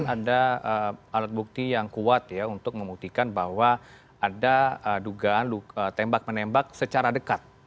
ada alat bukti yang kuat ya untuk membuktikan bahwa ada dugaan tembak menembak secara dekat